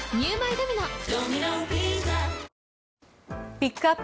ピックアップ